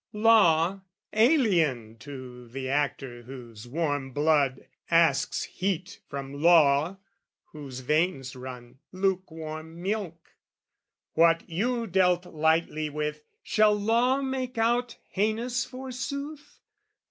"Law, alien to the actor whose warm blood "Asks heat from law whose veins run lukewarm milk, "What you dealt lightly with, shall law make out "Heinous forsooth?"